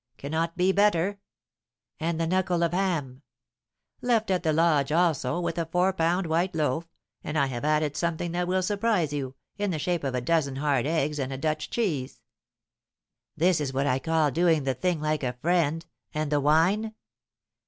"Cannot be better." "And the knuckle of ham?" "Left at the lodge, also, with a four pound white loaf; and I have added something that will surprise you, in the shape of a dozen hard eggs and a Dutch cheese." "This is what I call doing the thing like a friend! And the wine?"